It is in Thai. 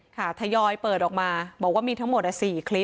ทยอยเปิดออกมาบอกว่ามีทั้งหมด๔คลิป